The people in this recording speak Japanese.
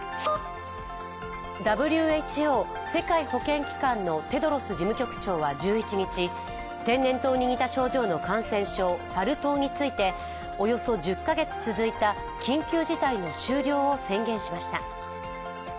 ＷＨＯ＝世界保健機関のテドロス事務局長は１１日、天然痘に似た症状の感染症サル痘についておよそ１０か月続いた緊急事態の終了を宣言しました。